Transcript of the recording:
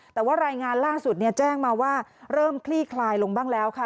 แต่ว่ารายงานล่าสุดแจ้งมาว่าเริ่มคลี่คลายลงบ้างแล้วค่ะ